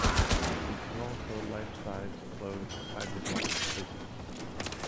These were also life-sized, clothed, fiberglass figures.